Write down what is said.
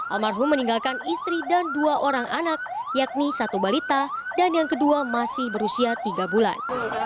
almarhum meninggalkan istri dan dua orang anak yakni satu balita dan yang kedua masih berusia tiga bulan